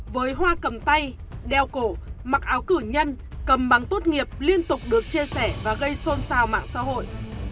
với hoa cầm tay đeo cổ mặc áo cử nhân cầm bằng tốt nghiệp liên tục được chia sẻ và gây xôn xao mạng xã hội